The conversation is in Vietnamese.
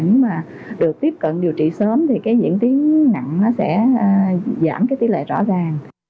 nếu mà được tiếp cận điều trị sớm thì diễn tiến nặng sẽ giảm tỷ lệ rõ ràng